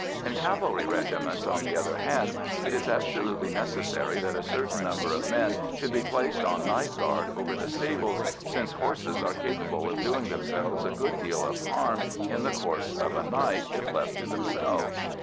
In cavalry regiments, on the other hand, it is absolutely necessary that a certain number of men should be placed on night guard over the stables, since horses are capable of doing themselves a good deal of harm in the course of a night, if left to themselves.